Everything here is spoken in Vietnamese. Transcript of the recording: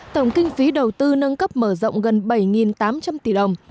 tổng kinh phí đầu tư nâng cấp mở rộng gần bảy tám trăm linh tỷ đồng